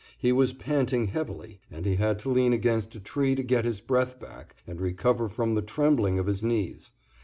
He was panting heavily, and he had to lean against a tree to get his breath back and recover from the trembling of his knees.